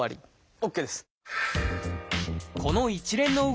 ＯＫです。